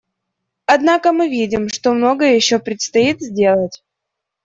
Однако мы видим, что многое еще предстоит сделать.